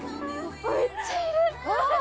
めっちゃいる！